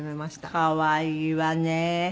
可愛いわね。